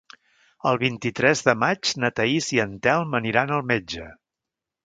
El vint-i-tres de maig na Thaís i en Telm aniran al metge.